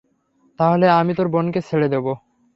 তাহলে আমি তোর বোনকে ছেড়ে দেবো।